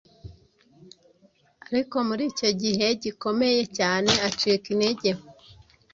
ariko muri icyo gihe gikomeye cyane acika intege.